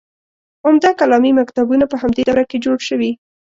عمده کلامي مکتبونه په همدې دوره کې جوړ شوي.